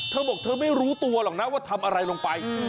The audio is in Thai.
เธอบอกเธอไม่รู้ตัวหรอกนะว่าทำอะไรลงไป